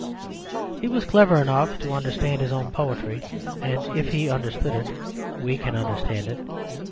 He was clever enough to understand his own poetry; and if he understood it, we can understand it.